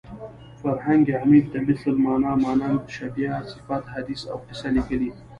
فرهنګ عمید د مثل مانا مانند شبیه صفت حدیث او قصه لیکلې